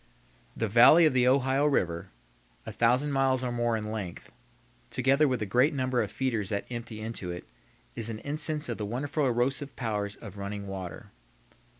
The valley of the Ohio River, a thousand miles or more in length, together with the great number of feeders that empty into it, is an instance of the wonderful erosive power of running water.